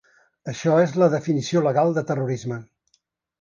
Això és la definició legal de terrorisme.